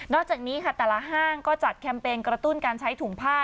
จากนี้ค่ะแต่ละห้างก็จัดแคมเปญกระตุ้นการใช้ถุงผ้า